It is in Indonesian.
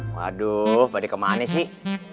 waduh pada kemana sih